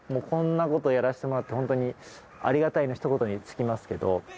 こんなことやらせてもらってホントにありがたいのひと言に尽きますけど。